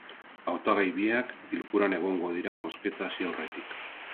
Hautagai biak bilkuran egongo dira bozketa hasi aurretik.